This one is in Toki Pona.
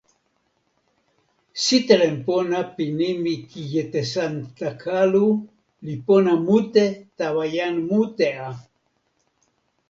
sitelen pona pi nimi "kijetesantakalu" li pona mute tawa jan mute a!